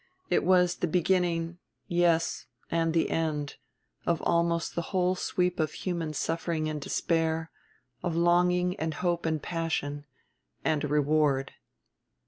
It was the beginning, yes, and the end, of almost the whole sweep of human suffering and despair, of longing and hope and passion, and a reward.